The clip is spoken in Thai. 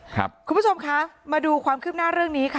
คุณผู้ชมมาดูความคื้มหน้าเรื่องนี้